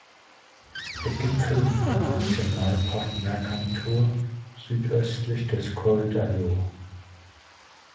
Der Gipfel liegt im Nationalpark Mercantour südöstlich des Col d’Allos.